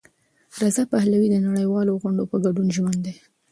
رضا پهلوي د نړیوالو غونډو په ګډون ژمن دی.